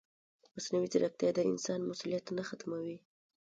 مصنوعي ځیرکتیا د انسان مسؤلیت نه ختموي.